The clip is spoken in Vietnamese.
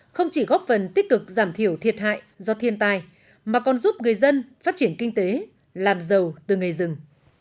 không chỉ góp phần tích cực giảm thiểu thiệt hại do thiên tai mà còn giúp người dân phát triển kinh tế làm giàu từ nghề rừng